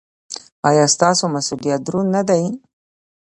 ایا ستاسو مسؤلیت دروند نه دی؟